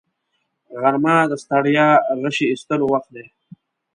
غرمه د ستړیا غشي ایستلو وخت دی